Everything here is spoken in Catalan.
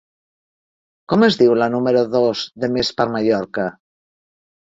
Com es diu la número dos de Més per Mallorca?